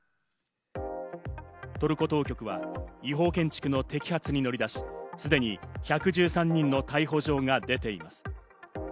トルコ当局は違法建築の摘発に乗り出し、すでに１１３人の逮捕状が出ています。